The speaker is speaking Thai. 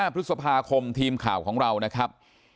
พฤษภาคมทีมข่าวของเรานะครับ